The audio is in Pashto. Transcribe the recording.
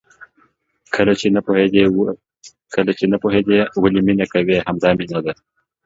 کله چې نه پوهېدې ولې مینه کوې؟ همدا مینه ده.